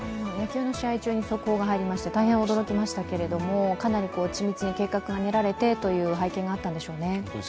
試合中に速報が入りまして、大変驚きましたけれども、かなり緻密に計画を練られてという背景があったんでしょうね。